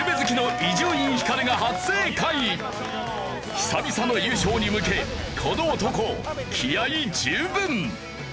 久々の優勝に向けこの男気合十分！